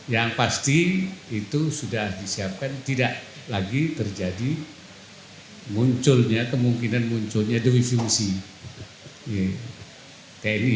yang pasti itu sudah disiapkan tidak lagi terjadi kemungkinan munculnya dewi fungsi tni